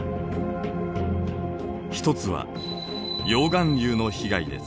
一つは溶岩流の被害です。